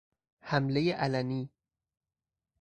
حملهی علنی